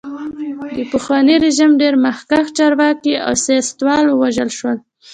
د پخواني رژیم ډېر مخکښ چارواکي او سیاستوال ووژل شول.